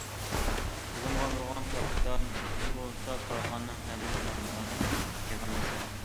تىزىمغا ئالدۇرغان كاپىتال بولسا كارخانىنىڭ ئەمەلىي مەبلىغىنىڭ يىغىندىسى.